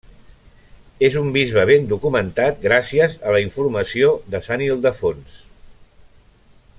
És un bisbe ben documentat gràcies a la informació de sant Ildefons.